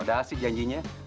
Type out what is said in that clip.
udah asyik janjinya